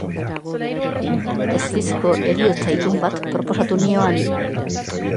Eztizko heriotza-itun bat proposatu nioan.